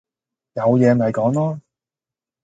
有嘢咪講囉